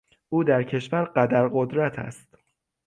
او در کشور قدر قدرت است.